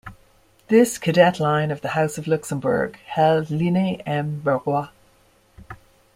This cadet line of the House of Luxembourg held Ligny-en-Barrois.